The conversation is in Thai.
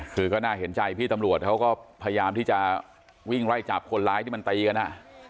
คือก็น่าเห็นใจพี่ตำรวจเขาก็พยายามที่จะวิ่งไล่จับคนร้ายที่มันตีกันอ่ะ